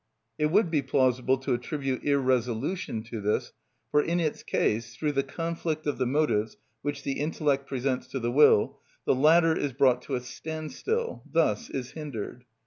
It would be plausible to attribute irresolution to this, for in its case, through the conflict of the motives which the intellect presents to the will, the latter is brought to a standstill, thus is hindered.